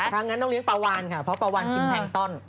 ครั้งนั้นต้องเลี้ยปลาวานค่ะเพราะปลาวานกินแห้งต้อน